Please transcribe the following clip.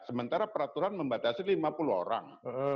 sementara peraturan membatasi lima puluh orang